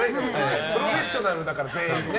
プロフェッショナルだから全員ね。